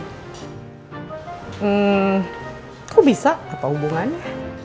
hmm kok bisa apa hubungannya